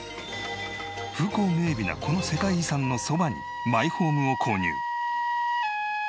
風光明媚なこの世界遺産のそばにマイホームを購入。